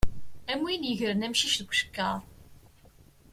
Am win yegren amcic deg ucekkaṛ.